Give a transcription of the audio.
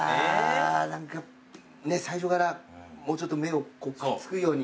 最初からもうちょっと目をくっつくように。